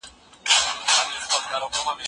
سیاست د قدرت د پدیدې د څېړلو دعوه لري.